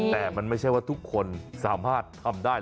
แต่มันไม่ใช่ว่าทุกคนสามารถทำได้